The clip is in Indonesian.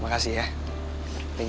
gak ada yang mau nanya